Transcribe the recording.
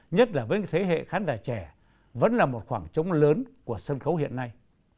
nhất là với thế hệ khán giả trẻ vẫn là một khoảng trống lớn của sân khấu hiện nay